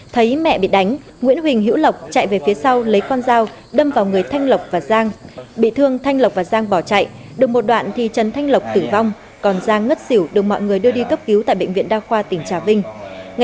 thấy mẹ bị đánh nguyễn huỳnh hữu lộc chạy về phía sau lấy con dao đâm vào người thanh lộc và giang bị thương thanh lộc và giang bỏ chạy được một đoạn thì trần thanh lộc tử vong còn giang ngất xỉu được mọi người đưa đi cấp cứu tại bệnh viện đa khoa tỉnh trà vinh